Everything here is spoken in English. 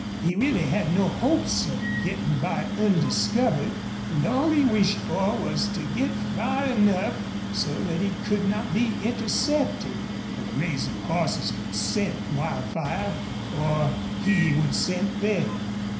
He really had no hopes of getting by undiscovered, and all he wished for was to get far enough so that he could not be intercepted. The grazing horses would scent Wildfire or he would scent them.